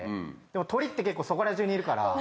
でも鳥って結構そこら中にいるから。